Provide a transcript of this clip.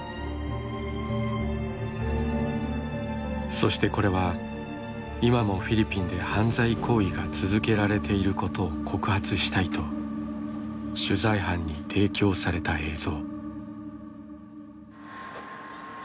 そしてこれは今もフィリピンで犯罪行為が続けられていることを告発したいと取材班に提供された映像。